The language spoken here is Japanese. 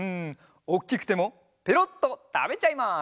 おっきくてもペロッとたべちゃいます！